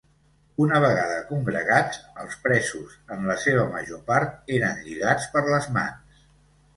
Una vegada congregats, els presos, en la seva major part, eren lligats per les mans.